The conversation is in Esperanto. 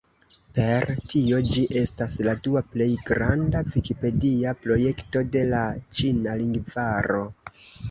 Per tio ĝi estas la dua plej granda vikipedia projekto de la ĉina lingvaro.